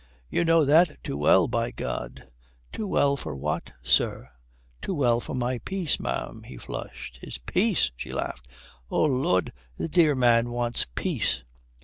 "You know that too well, by God." "Too well for what, sir?" "Too well for my peace, ma'am." He flushed. "His peace!" She laughed. "Oh Lud, the dear man wants peace!"